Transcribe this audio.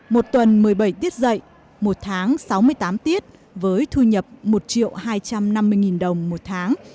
một tuần một mươi bảy tiết dạy một tháng sáu mươi tám tiết với thu nhập một hai trăm năm mươi đồng một tháng